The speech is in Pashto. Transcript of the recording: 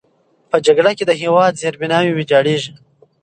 په جګړه کې د هېواد زیربناوې ویجاړېږي.